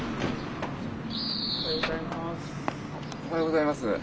おはようございます。